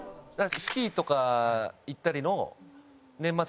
スキーとか行ったりの。